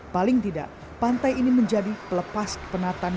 paling tidak pantai ini menjadi pelepas penat